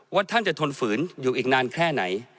ท่านจะทนฝืนอยู่อีกนานแค่ไหน